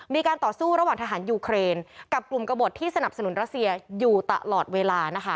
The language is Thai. มีการต่อสู้ระหว่างทหารยูเครนกับกลุ่มกระบดที่สนับสนุนรัสเซียอยู่ตลอดเวลานะคะ